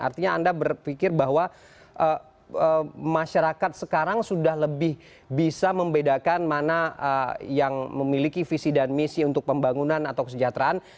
artinya anda berpikir bahwa masyarakat sekarang sudah lebih bisa membedakan mana yang memiliki visi dan misi untuk pembangunan atau kesejahteraan